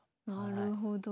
なるほど。